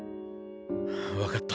分かった。